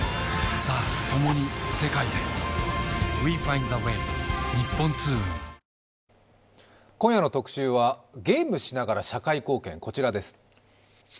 ＳＮＳでは今夜の特集はゲームしながら社会貢献、こちらです。